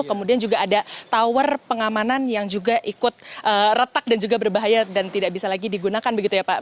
kemudian juga ada tower pengamanan yang juga ikut retak dan juga berbahaya dan tidak bisa lagi digunakan begitu ya pak